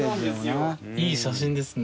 いい写真ですね。